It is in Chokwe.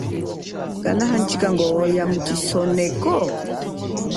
Kanahandjika ya iya mu isoneko?